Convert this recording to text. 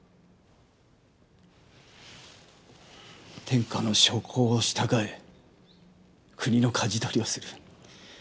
天下の諸侯を従え国のかじ取りをする。